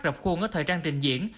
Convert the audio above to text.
rập khuôn ở thời trang trình diễn